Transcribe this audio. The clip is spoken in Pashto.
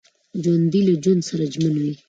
ژوندي له ژوند سره ژمن وي